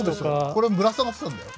これぶら下がってたんだよ。